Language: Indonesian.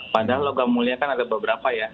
padahal logam mulia kan ada beberapa ya